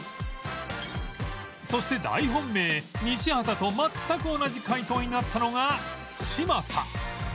そして大本命西畑と全く同じ解答になったのが嶋佐